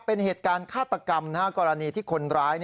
เป็นเหตุการณ์ฆาตกรรมกรณีที่คนร้าย